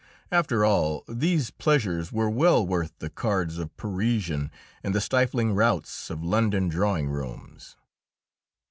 After all, these pleasures were well worth the cards of Parisian and the stifling routs of London drawing rooms.